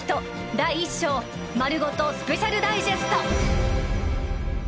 第一章丸ごとスペシャルダイジェスト